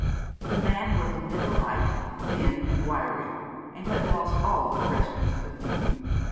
The man was of middle height, thin and wiry, and had lost all the freshness of youth.